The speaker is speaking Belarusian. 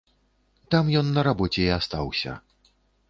Там ён на рабоце і астаўся.